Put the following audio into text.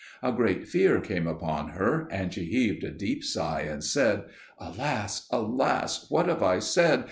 A great fear came upon her, and she heaved a deep sigh and said, "Alas, alas, what have I said?